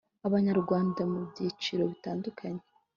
abanyarwanda mu byiciro bitandukanye